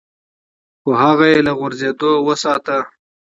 خو هغه يې له غورځېدو وساته.